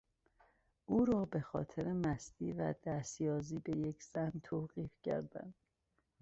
او را به خاطر مستی و دست یازی به یک زن توقیف کردند.